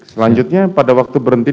selanjutnya pada waktu berhenti